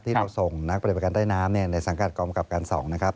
เราส่งนักปฏิบัติการใต้น้ำในสังกัดกองกำกับการ๒นะครับ